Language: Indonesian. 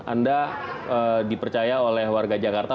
anda dipercaya oleh warga jakarta